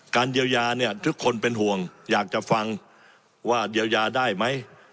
เยียวยาเนี่ยทุกคนเป็นห่วงอยากจะฟังว่าเยียวยาได้ไหม